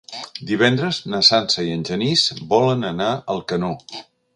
Divendres na Sança i en Genís volen anar a Alcanó.